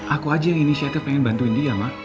aku aja yang inisiatif pengen bantuin dia mak